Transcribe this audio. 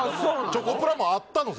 チョコプラもあったの？